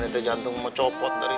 netiz jantung mau copot dari